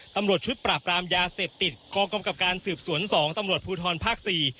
ตำรวจชุดปราบรามยาเสพติดกองกำกับการสืบสวนสองตำรวจภูทรภาคสี่